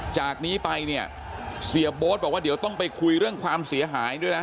จากนี้ไปเนี่ยเสียโบ๊ทบอกว่าเดี๋ยวต้องไปคุยเรื่องความเสียหายด้วยนะ